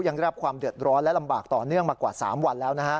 ยังได้รับความเดือดร้อนและลำบากต่อเนื่องมากว่า๓วันแล้วนะฮะ